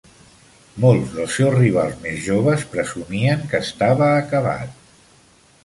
Molts dels seus rivals més joves presumien que estava acabat.